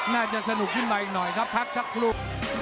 น่าจะสนุกขึ้นมาอีกหน่อยครับพักสักครู่